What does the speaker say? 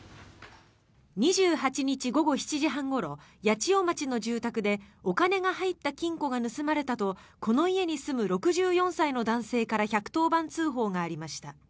２８日午後７時半ごろ八千代町の住宅でお金が入った金庫が盗まれたとこの家に住む６４歳の男性から１１０番通報がありました。